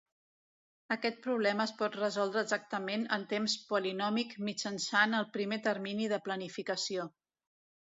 Aquest problema es pot resoldre exactament en temps polinòmic mitjançant el primer termini de planificació.